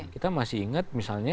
kita masih ingat misalnya